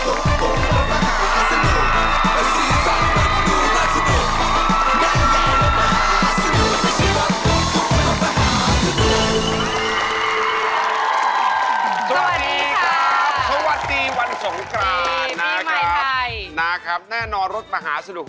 สวัสดีค่ะสวัสดีค่ะสวัสดีค่ะ